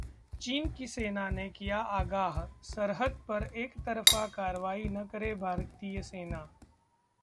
चीन की सेना ने किया आगाह- सरहद पर एकतरफा कार्रवाई न करे भारतीय सेना